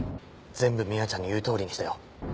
全部美和ちゃんの言うとおりにしたよ